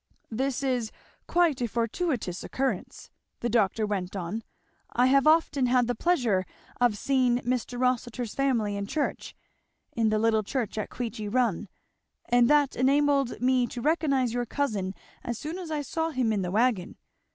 "This is quite a fortuitous occurrence," the doctor went on: "I have often had the pleasure of seeing Mr Rossitur's family in church in the little church at Queechy Run and that enabled me to recognise your cousin as soon as I saw him in the wagon.